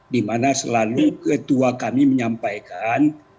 dimana selalu ketua kami menyampaikan